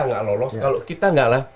tidak lolos kalau kita tidak